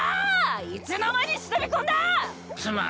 いつの間に忍び込んだっ！